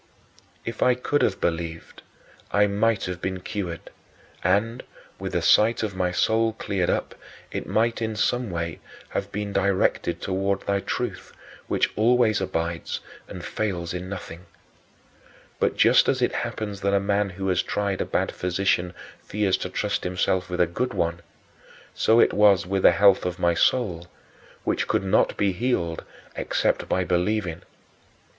If I could have believed, I might have been cured, and, with the sight of my soul cleared up, it might in some way have been directed toward thy truth, which always abides and fails in nothing. But, just as it happens that a man who has tried a bad physician fears to trust himself with a good one, so it was with the health of my soul, which could not be healed except by believing.